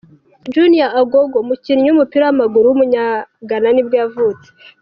Junior Agogo, umukinnyi w’umupira w’amaguru w’umunyagana nibwo yavutse.